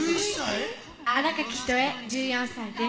新垣仁絵１４歳です。